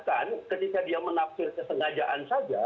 bahkan ketika dia menafsir kesengajaan saja